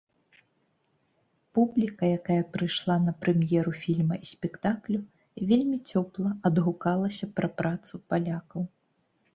Публіка, якая прыйшла на прэм'еру фільма і спектаклю вельмі цёпла адгукалася пра працу палякаў.